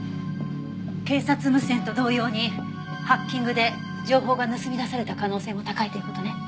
警察無線と同様にハッキングで情報が盗み出された可能性も高いという事ね。